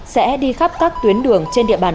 sẽ đi khắp các tuyến đường trên địa bàn